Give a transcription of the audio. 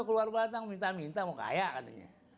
ngapain lu keluar batang minta minta mau kaya katanya